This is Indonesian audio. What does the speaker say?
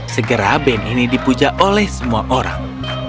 segera band ini dipuja oleh semua orang